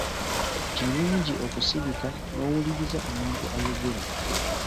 Kirungi okusirika n'owuliriza omuntu ayogera.